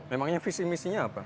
memangnya visi misinya apa